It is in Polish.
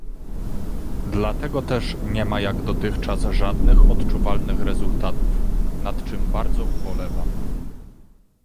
Dlatego też nie ma jak dotychczas żadnych odczuwalnych rezultatów, nad czym bardzo ubolewam